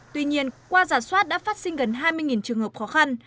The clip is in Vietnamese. tuy nhiên qua giả soát đã phát sinh gần hai mươi trường hợp khó khăn